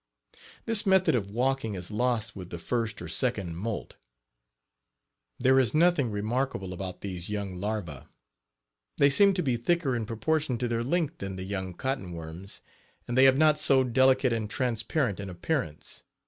This method of walking is lost with the first or second molt. There is nothing remarkable about these young larvae. They seem to be thicker in proportion to their length than the young cotton worms, and they have not so delicate and transparent an appearance.